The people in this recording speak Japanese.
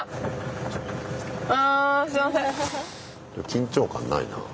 緊張感ないなあ。